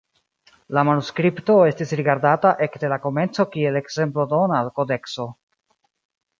La manuskripto estis rigardata ekde la komenco kiel ekzemplo-dona kodekso.